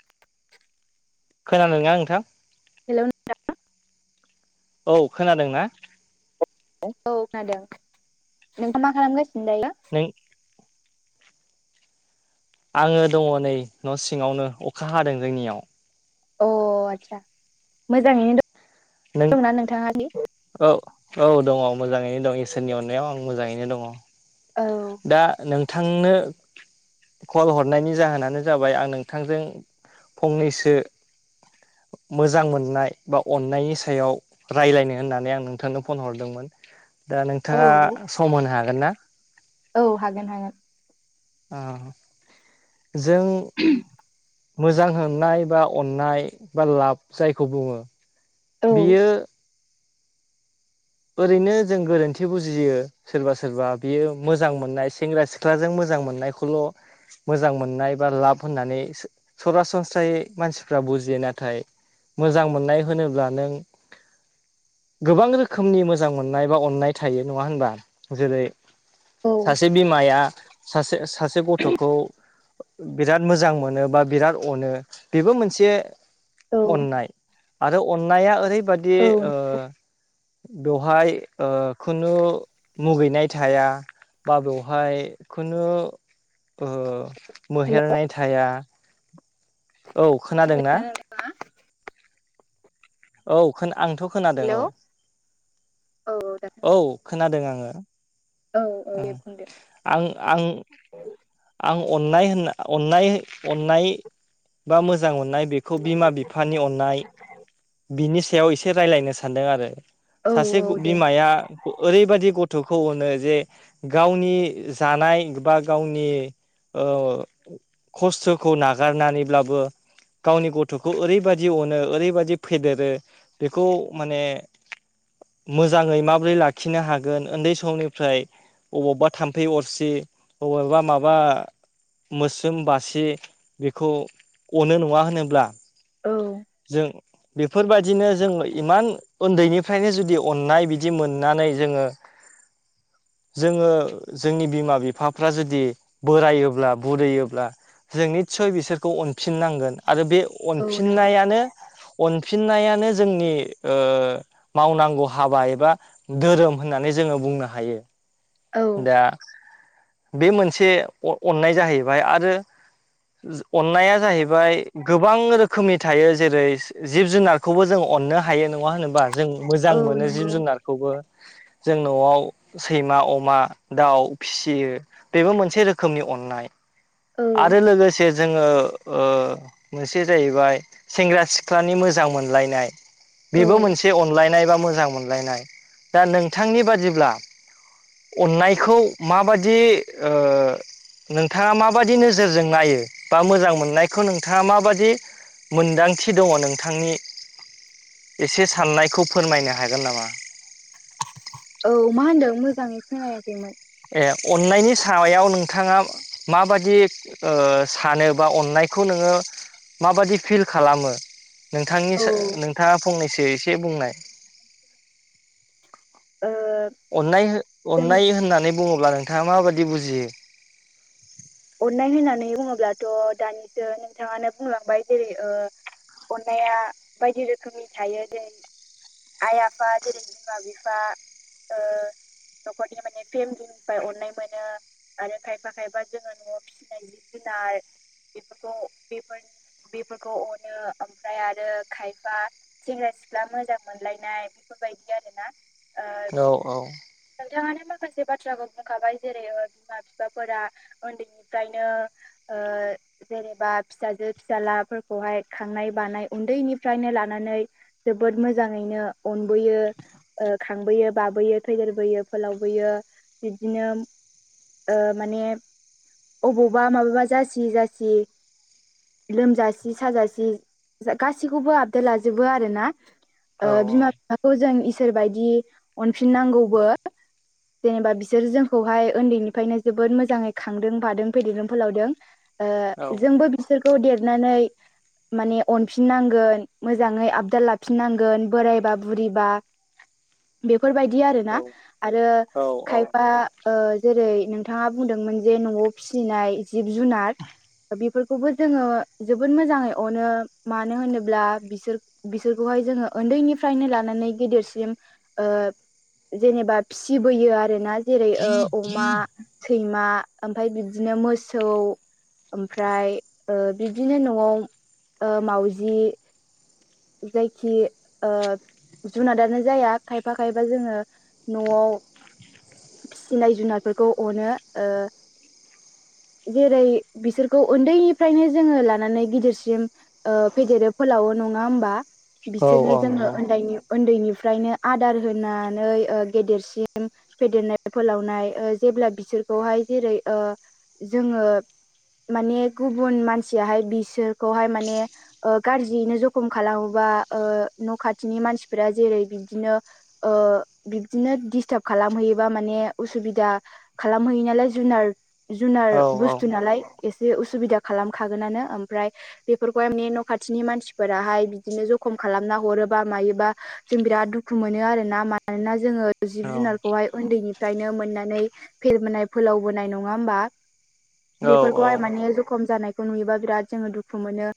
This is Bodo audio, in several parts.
[inaudible] [unintelligible] हेल औ खोनादोंना औ खोनादों नों [unintelligible] मा खालामगासिनो दायो नै आङो दङ नै न सिङावनो अखा हादों जोंनियाव अ आदसा मोजाङैनो द नों दंना नोंथाङा दि औ औ दङ मोजाङैनो दं इसोरनि अननायाव आं मोजाङैनो दङ औ दा नोंथांनो कल हरनायनि जाहोनानो जाबाय आं नोंथांजों फंनैसो मोजां मोननाय बा अननायनि स सायाव रायलायनो होननानै आं नोंथांनो फन हरदोंमोन दा औ नोंथाङा खम होनो हागोन ना औ हागोन हागोन आ जों [inaudible] मोजां होननाय बा अननाय बा लाब जायखौ बुङो औ बियो ओरैनो जों गोरोन्थि बुजियो सोरबा सोरबा बियो मोजां मोननाय सेंग्रा सिख्लाजों मोजां मोननायखौल मोजां मोननाय बा लाब होननानै सो सरासनस्रायै मानसिफ्रा बुजियो नाथाय मोजां मोननाय होनोब्ला नों गोबां रोख खोमनि मोजां मोननाय बा अननाय थायो नङा होनबा जेरै औ सासे बिमाया सासे सासे गथखौ बिराद मोजां मोनो बा बिराद अनो बेबो मोनसे औ अननाय आरो अननाया ओरैबादि औ ओ बेवहाय ओ खुनु मुगैनाय थाया बा बेवहाय खुनु ओ हेल' मोहेरनाय थाया औ खोनादोंना औ आंथ खोनादों हेलौ औ औ औ दा औ खोनाबाय खोनादों आङो औ औ ओं दे बुंदे आं आं आं अननाय होनना अननाय अननाय बा मोजां मोननाय बेखौ बिमा बिफानि अननाय बिनि सायाव एसे रायजलायनो सान सानदों आरो औ सासे औ दे बिमाया ओरैबायदि गथखौ अनो जे गावनि जानाय बा गावनि ओ खस्थखौ नागारनानैब्लाबो गावनि गथखौ ओरैबायदि अनो ओरैबायददि फेदेरो बेखौ माने मोजाङै माबोरै लाखिनो हागोन उन्दै समनिफ्राय अबावबा थाम्फै अरसि अबावबा माब बा मोसोम बासि बेखौ अनो नङा होनोब्ला औ जों बेफोरबायदिनो जों इमान उन्दैनिफ्रायनो जुदि अननाय बिदि मोननानै जोङो जोङो जोंनि बिमा बिफाफ्रा जुदि बोरायोब्ला बुरुरैयोब्ला जों निथसय बिसोरखौ अनफिननांगोन आरो बे औ नंगौ अनफिननायानो अनफिननायानो जोंनि ओ मावनांगौ हाबा एबा धोरोम होननानै जोङो बुंनो हायो औ दा बे मोनसे अननाय जाहैबाय आरो जो अननाया जाहैबाय गोबां रोखोमनि थायो जेरै जिब जुनारखौबो जों अननो हायो नङा होनोबा जों मोजां औ मोनो नंगौ जिब जुनारखौबो जों नआव सैमा अमा दाउ फिसियो बेबो मोनसे रोखोम रोखोमनि अननाय औ आरो लोगोसे जोङो ओ मोनसे जाहैबाय सेंग्रा सिख्लानि मोजां मोनलायनाय औ बेबो मोनसे अनलायनाय बा मोजां मोनलायनाय दा नोंथांनि बादिब्ला अननायखौ माबायदि ओ नोंथाङा माब माबायदि नोजोरजों नायो बा मोजां मोननायखौ नोंथाङा माबायदि मोनदांथि दङ नोंथांनि एसे साननायखौ फोरमायनो हागोन नामा औ मा होनदों मोजाङै खोनायाखैमोन ए अन्नायनि सायाव नोंथाङा माबादि ओ सानो बा अननायखौ नोङो माबादि फिल खालामो नोंथांनि औ सो ओ नोंथाङा फंनैसो एसे बुंनाय अननायहो जों अननाय होननानै बुङोब्ला नोंथाङा माबायदि बुजियो अननाय होननानै बुङोब्लाथ' दानिसो नोंथाङानो बुंलांबाय जेरै ओ अननाया बायदि रोखोमनि थायो जेरै आइ आफा जेरै बिमा बिफा ओ न'खरनि माने फेमिलिनिफ्राय अननाय मोनो आरो खायफा खायफा जोङो न'आव फिसिनाय जिब जुनार बेफोरखौ बेफोरनि बेफोरखौ अनो ओमफ्राय आरो खायफा सेंग्रा सिख्ला मोजां मोनलायनाय बेफोरबायदि आरोना ओ औ नोंथाङानो माखासे बाथ्राखौ बुंखाबाय जेरै ओ बिमा बिफाफोरा उन्दैनिफ्रायनो ओ जेनेबा फिसाजो फिसाज्लाफोरखौहाय खांनाय बानाय उन्दैनिफ्रायनो लानानै जोबोद मोजाङैनो अनबोयो ओ खांबोयो बाबोयो थेदेरबोयो फोलावबोयो बिबदिनो ओ माने अबावबा माबाबा जासि जासि लोमजासि साजासि गासैखौबो आपदेट लाजोबो आरोना औ ओ बिमा बिफाखौ जों इसोर बायदि अनफिननांगौबो जेनेबा बिसोर जोंखौहाय उन्दैनिफ्रायनो जोबोद मोजाङै खांदों बादों फेदेरदों फोलावदों औ ओ जोंबो बिसोरखौ देरनानै माने अनफिननांगोन मोजाङै आबदाल लाफिननांगोन बोरायबा बुरिबा बेफोरबायदि आरोना आरो औ खाय फा ओ जेरै नोंथाङा बुंदोंमोन जे न'आव फिसिनाय जिब जुनार बेफोरखौबो जोङो जोबोद मोजाङै अनो मानो होनोब्ला बिसोर बिसोरखौहाय जोङो उन्दैनिफ्रायनो लानानै गेदेरसिम ओ जेनेबा फिसिबोयो आरोना जेरै ओ अमा, सैमा ओमफ्राय बिदिनो मोसौ ओमफ्राय ओ बिब्दिनो न'आव ओ मावजि जायखि ओ जुनादानो जाया खायफा खायफा जोङो न'आव फिनाय जुनारफोरखौ अनो ओ जेरै बिसोरखौ उन्दैनिफ्रायनो जोङो लानानै गिदिरसिम ओ फेदेरो फोलावो नङा होमबा औ औ बिसोरनो जोङो नंगौ उन्दैनि उन्दैनिफ्रायनो आदार होनानै ओ गेदेरसिम फेदेरनाय फोलावनाय ओ जेब्ला बिसोरखौहाय जेरै ओ जोङो माने गुबुन मानसियाहाय बिसोरखौहाय माने ओ गाज्रियैनो ज खम खालामोबा ओ न' खाथिनि मानसिफोरा जेरै बिबदिनो ओ बिब्दिनो दिस्टाब खालामहैयोबा माने उसुबिदा खालामहैयो नालाय जुनार जुनार औ औ बुस्थु नालाय एसे उसुबिदा खालामखागोनानो ओमफ्राय बेफोरखौ माने न' खाथिनि मानसि फोराहाय बिदिनो जखम खालामना हरोबा मायोबा जों बिराद दुखु मोनो आरोना मानोना जोङो जिब जुनारखौहाय उन्दैनिफ्रायनो मोननानै फेरबोनाय फोलावबोनाय नङा होमबा। औ बेफोरखौहाय माने जखम जानायखौ नुयोबा बिराद जोङो दुखु मोनो।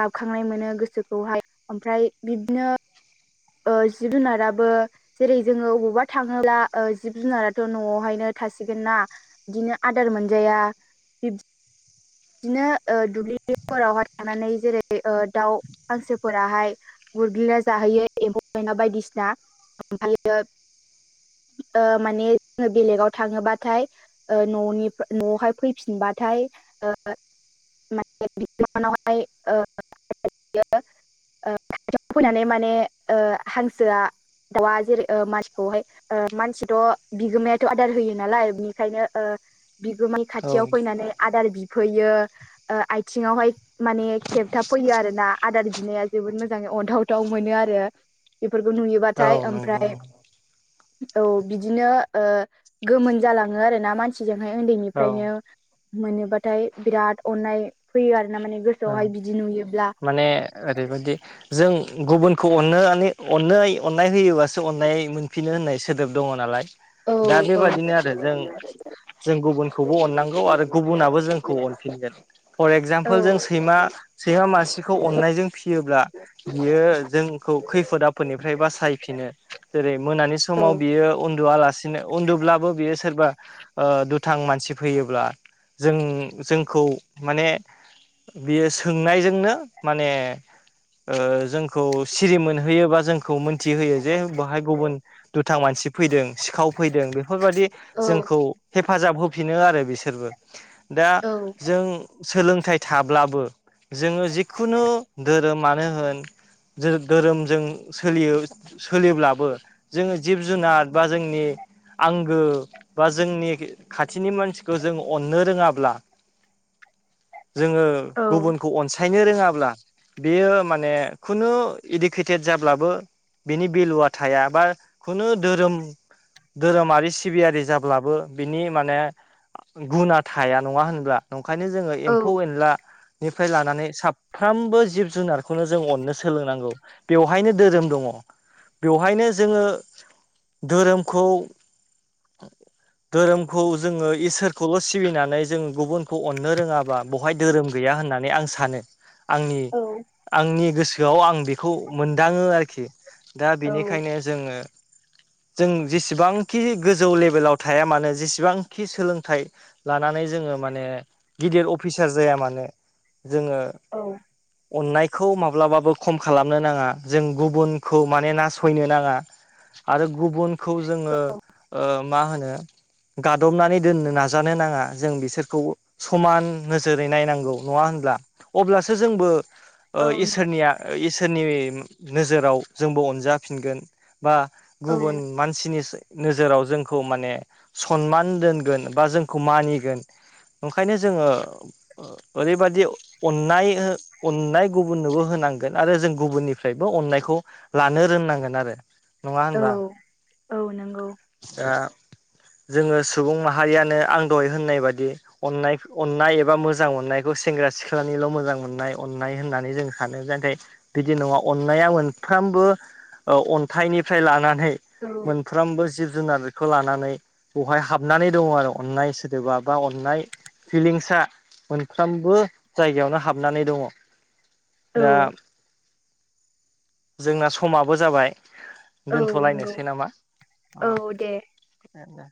गाबखांनाय मोनो गोसोखौहाय ओमफ्राय बिदिनो जिब जुनाराबो जेरै जोङो अबावबा थाङोब्ला जिब जुनाराथ' न'आवहायनो थासिगोना बिदिनो आदार मोनजाया बिबदिनो ओ दुब्लिफोरावहाय थानानै जेरै ओ दाउ हांसोफोराहाय गुरग्लिना जाहोयो एम्फौ एनला बायदिसिना ओमफ्रायो ओ माने जोङो बेलेगाव थाङोबाथाय न'नि न'आवहाय फैफिनबाथाय मान उनावहाय फैनानै माने हांसोआ दाउआ जेरै मासखौहाय मानसिथ' बिगोमायाथ' आदार होयो नालाय बिनिखायनो बिगोमाया खाथियाव औ फैनानै आदार बिफैयो आथिङाहाय माने खेबथाब फैयो आरो ना आदार बिनाया जोबोद मोजाङै अनथावथाव मोनो आरो। बेफोरखौ नुयोबाथाय औ नंगौ ओमफ्राय नंगौ औ बिदिनो गोमोन जालाङो आरोना। मानसिजोंहाय औ उन्दैनिफ्रायनो मोनोबाथाय बिराद अन्नाय फैयो आरो ना माने औ गोसोआवहाय बिदि नुयोब्ला माने ओरैबायदि जों गुबुनखौ अननो मे अननाय अननाय होयोबासो अननाय मोनफिनो होननाय सोदोब दङ नालाय। औ दा बेबादिनो आरो जों जों गुबुनखौबो अनांगौ आरो गुबुनाबो जोंखौ अनफिनगोन फर औ एक्जामपोल जों सैमा सैमा मानसिखौ अननायजों फियोब्ला बियो जोंखौ खैफोद आफोदनिफ्राय बासायफिनो। जेरै मोनानि औ समाव बियो उन्दुआलासिनो उन्दुब्लाबो बियो सोरबा दुथां मानसि फैयोब्ला जों जोंखौ माने बियो सोंनायजोंनो माने जोंखौ सिरि मोनहैयोबा जों खौ मोनथिहोयो जे बहाय गुबुन दुथां मानसि फैदों सिखाव फैदों बेफोरबायदि जोंखौ हेफाजाब होफिनो आरो बिसोरबो दा औ जों सोलोंथाइ थाब्लाबो जोङो जिखुनु धोरोमानो होन जेर धोरोमजों सोलियो। सोलिब्लाबो जोङो जिब जुनार बा जोंनि आंगो बा जोंनि खाथिनि मानसिखौ जों अननो रोङाब्ला जोङो औ गुबुनखौ अनसायनो रोङाब्ला बेयो माने खुनु इडुकेटेड जाब्लाबो बिनि बेेलुा थाया बा खुनु धोरोम धोरोमारि सिबियारि जाब्लाबो बिनि माने गुना थाया नङा होनब्ला। अंखायनो जोङो एम्फौ एनलानिफ्राय लानानै साफ्रोमबो जिब जुनारखौनो जों अननो सोलोंनांगौ। बेवहायनो धोरोम दङ बेवहायनो जोङो धोरोमखौ धोरोमखौ जोङो इसोरखौल' सिबिनानै जोङो गुबुनखौ अननो रोङाबा बहाय धोरोम गैया होननानै आं सानो आंनि औ आंनि गोसोआव आं बेखौ मोनदाङो आरोखि। दा औ बेनिखायनो जोङो जों जेसेबांखि गोजौ लेभेलाव थाया मानो जेसेबांखि सोलोंथाइ लानानै जोङो माने गिदिर अफिसार जाया मानो जोङो औ अननायखौ माब्लाबाबो खम खालामनो नाङा जों गुबुनखौ माने नासयनो नाङा। आरो गुबुनखौ जोङो ओ मा होनो गादबनानै दोननो नाजानो नाङा जों बिसोरखौ समान नोजोरै नायनांगौ नङा होनब्ला अब्लासो जोंबो ओ औ नंगौ इसोरनिया इसोरनि नोजोराव जोंबो अनजाफिनगोन बा औ गुबुन मानसिनिसो नोजोराव जोंखौ माने सनमान दोनगोन बा जोंखौ मानिगोन। ओंखायनो जोङो ओरैबादि अननाय अननाय गुबुननोबो होनां आरो जों गुबुननिफ्रायबो अननायखौ लानो रोंनांगोन आरो। नङा होनबा औ नंगौ आ। जोङो सुबुं माहारियानो आं दहाय होननाय बायदि अनाय अन्नाय ओ मोजां मोननायखौ सेंग्रा सिख्लानिल' मोजां मोननाय अननाय होननानै जों सानो जाहाथे बिदि नङा अन्नाया मोनफ्रामबो ओ अन्थाइनिफ्राय लानानै औ साफ्रोमबो जिब जुनारखौ लानानै बेवहाय हाबनानै दङ आरो अन्नाय सोदोबा बा अननाय फिलिंसआ मोनफ्रोमबो जायगायावनो हाबनानै दङ दा औ जोंना समाबो जाबाय औ नंगौ दोनथ'लायनोसै नामा औ दे दे